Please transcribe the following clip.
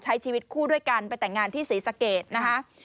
ใช้ชีวิตคู่ด้วยกันไปแต่งงานที่ศรีสะเกดนะคะ